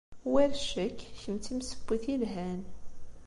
War ccek, kemm d timsewwit yelhan.